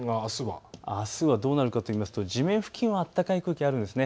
あすはどうなるかといいますと地面付近は暖かい空気があるんです。